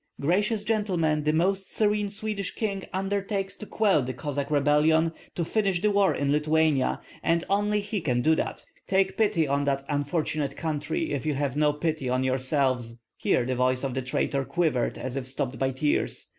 Gracious gentlemen, the most serene Swedish king undertakes to quell the Cossack rebellion, to finish the war in Lithuania; and only he can do that. Take pity on the unfortunate country if you have no pity on yourselves." Here the voice of the traitor quivered as if stopped by tears.